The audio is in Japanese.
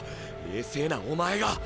冷静なお前が。